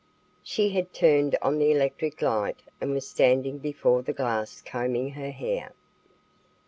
She had turned on the electric light and was standing before the glass combing her hair.